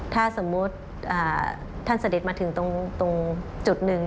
ถ้าสมมุติท่านเสด็จมาถึงตรงจุดหนึ่ง